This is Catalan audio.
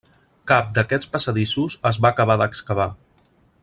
Cap d'aquests passadissos es va acabar d'excavar.